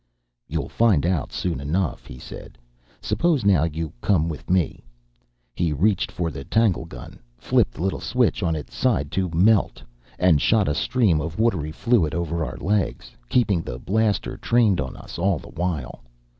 "You'll find out soon enough," he said. "Suppose now you come with me." He reached for the tanglegun, flipped the little switch on its side to MELT, and shot a stream of watery fluid over our legs, keeping the blaster trained on us all the while.